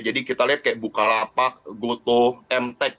jadi kita lihat kayak bukalapak gotoh emtek